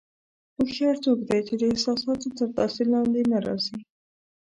هوښیار څوک دی چې د احساساتو تر تاثیر لاندې نه راځي.